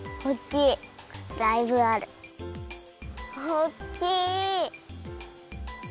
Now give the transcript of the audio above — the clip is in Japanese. おっきい！